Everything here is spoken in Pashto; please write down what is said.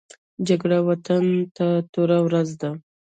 جګړه وطن ته توره ورځ ده